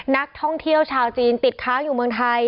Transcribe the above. นักท่องเที่ยวชาวจีนติดค้างอยู่เมืองไทย